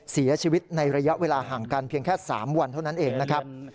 เสียชีวิตในระยะเวลาห่างกันเพียงแค่๓วันเท่านั้นเองนะครับ